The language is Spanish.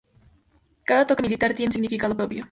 Cada toque militar tiene un significado propio.